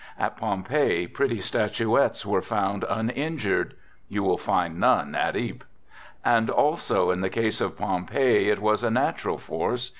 At Pompeii pretty statuettes were j found uninjured ; you will find none at Ypres. And f also, in the case of Pompeii, it was a natural force